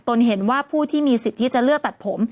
ตนเห็นว่าผู้ที่มีสิทธิ์จะเลือกตัดผม